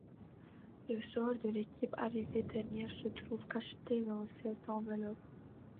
Le sort de l'équipe arrivée dernière se trouve cacheté dans cette enveloppe.